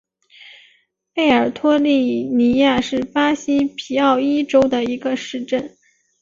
贝尔托利尼亚是巴西皮奥伊州的一个市镇。